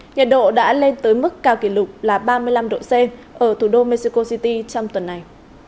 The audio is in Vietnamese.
nhiệt độ đã lên tới mức cao kỷ lục là ba mươi năm độ c ở thủ đô mexico city trong tuần này